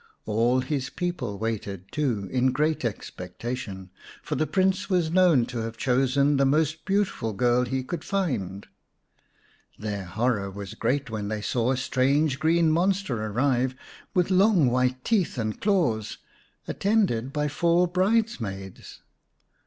All his people waited, too, in great expectation, for the Prince was known to have chosen the most beautiful girl he could find. Their horror was great when they saw a strange green monster arrive, with long white teeth and claws, attended by four bridesmaids.